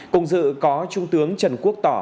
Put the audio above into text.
công dự có trung tướng trần quốc tỏ